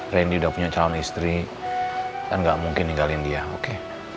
randy udah punya calon istri kan gak mungkin ninggalin dia oke